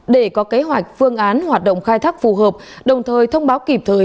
để có kế hoạch phương án hoạt động khai thác phù hợp đồng thời thông báo kịp thời